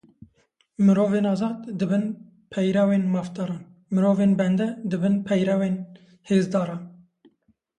Mirovên azad, dibin peyrewên mafdaran. Mirovên bende dibin peyrewên hêzdaran.